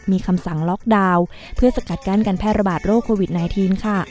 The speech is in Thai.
มีคำสั่งล็อกดาวน์เพื่อสกัดกั้นการแพร่ระบาดโรคโควิด๑๙ค่ะ